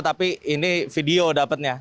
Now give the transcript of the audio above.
tapi ini video dapatnya